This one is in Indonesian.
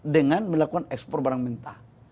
dengan melakukan ekspor barang mentah